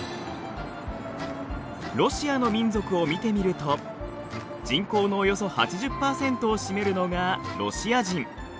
ロシアの民族を見てみると人口のおよそ８０％を占めるのがロシア人。